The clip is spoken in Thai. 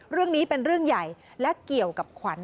เรื่องนี้เป็นเรื่องใหญ่และเกี่ยวกับขวัญ